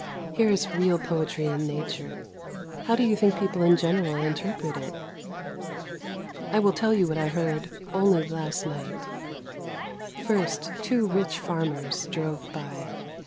Here is real poetry in nature. How do you think people in general interpret it? I will tell you what I heard only last night. " First two rich farmers drove by.